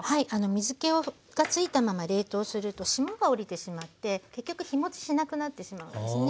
水けがついたまま冷凍すると霜が降りてしまって結局日もちしなくなってしまうんですね。